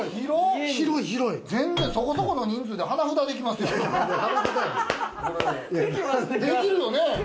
そこそこの人数で花札できますやん！